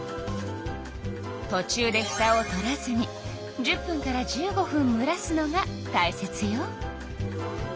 とちゅうでふたを取らずに１０分から１５分むらすのがたいせつよ。